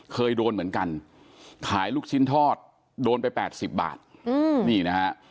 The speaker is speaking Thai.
เคยโดนเหมือนกันขายลูกชิ้นทอดโดนไป๘๐บาทนี่นะฮะ